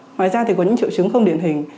ngoài ra thì có những triệu chứng không điển hình